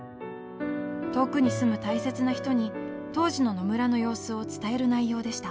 遠くに住む大切な人に当時の野村の様子を伝える内容でした。